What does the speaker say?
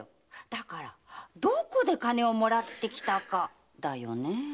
だからどこで金をもらってきたかだよね。